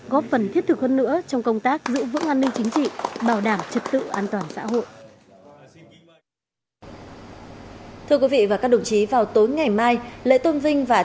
góp phần thiết thực hơn nữa trong công tác giữ vững an ninh chính trị bảo đảm trật tự an toàn xã hội